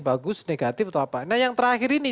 bagus negatif atau apa nah yang terakhir ini